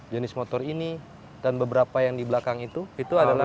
jenis motor ini dan beberapa yang di belakang itu itu adalah